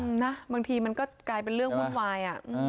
บางทีมันก็กลายเป็นเรื่องว้าย